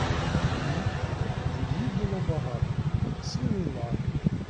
І її було багато, цілий лан.